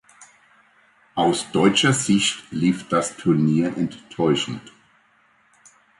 Aus deutscher Sicht lief das Turnier enttäuschend.